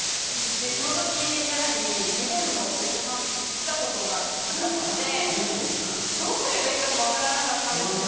でその時やはり日本のお医者さんって行ったことがなかったのでどうすればいいかも分からなかったんですし。